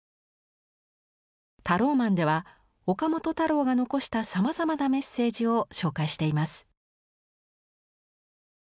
「ＴＡＲＯＭＡＮ」では岡本太郎が残したさまざまなメッセージを紹介しています。